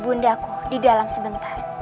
ibu ndaku di dalam sebentar